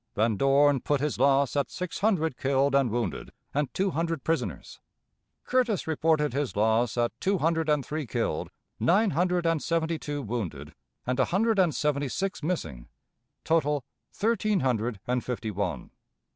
Van Dorn put his loss at six hundred killed and wounded, and two hundred prisoners. Curtis reported his loss at two hundred and three killed, nine hundred and seventy two wounded, and a hundred and seventy six missing total, thirteen hundred and fifty one.